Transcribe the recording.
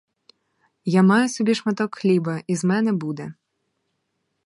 Я маю собі шматок хліба, і з мене буде!